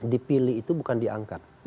dipilih itu bukan diangkat